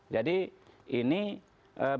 jadi ini berbahaya